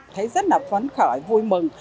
thấy rất là phấn khởi vui mừng